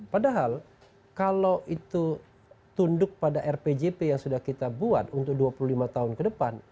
padahal kalau itu tunduk pada rpjp yang sudah kita buat untuk dua puluh lima tahun ke depan